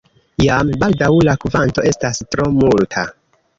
Jam baldaŭ la kvanto estas tro multa.